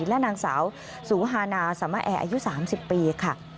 และนางสาวสูฮานาสามะแอร์อายุ๓๐ปีค่ะ